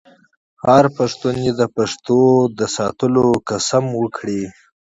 هر پښتون دې د پښتو د ساتلو قسم وکړي.